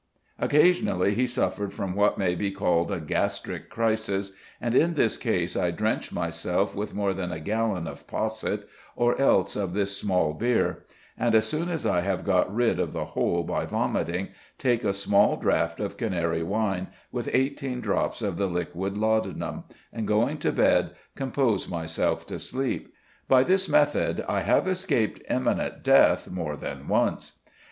Occasionally he suffered from what may be called a gastric crisis, and "in this case I drench myself with more than a gallon of posset, or else of this small beer: and, as soon as I have got rid of the whole by vomiting, take a small draught of canary wine with eighteen drops of the liquid laudanum, and, going to bed, compose myself to sleep. By this method I have escaped imminent death more than once."